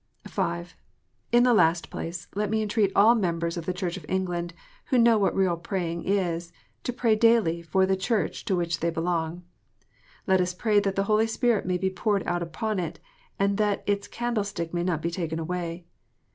(5) In the last place, let me entreat all members of the Church of England who know what real praying is, to pray daily for the Church to which they belong. Let us pray that the Holy Spirit may be poured out upon it, and that. its candle stick may not be taken away.